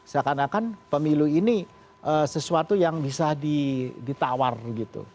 seakan akan pemilu ini sesuatu yang bisa ditawar gitu